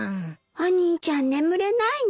お兄ちゃん眠れないの？